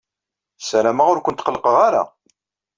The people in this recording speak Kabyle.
Ssarameɣ ur kent-qellqeɣ ara.